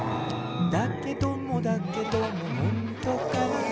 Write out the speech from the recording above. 「だけどもだけどもほんとかな」